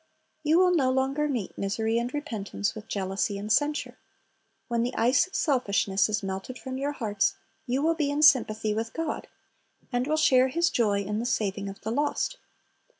You will no longer meet misery and repentance with jealousy and censure. When the ice 1 Micah 6 : 6 8 2133.58:6,7 ''Lost, and Is Found'' 21 1 of selfishness is melted from your hearts, you will be in sympathy with God, and will share His joy in the saving of the lost.